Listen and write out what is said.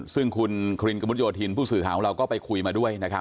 ซึ่งคุณครินกระมุดโยธินผู้สื่อข่าวของเราก็ไปคุยมาด้วยนะครับ